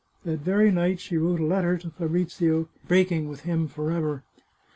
That very night she wrote a letter to Fabrizio, breaking with him for ever.